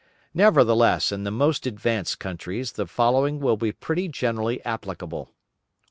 Nevertheless in the most advanced countries, the following will be pretty generally applicable.